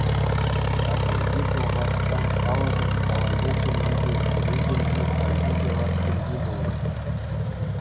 Атӑлҫи Пӑлхарстан халӑхӗн калаҫу чӗлхи те ҫыру чӗлхи хальхи чӑваш чӗлхи пулнӑ.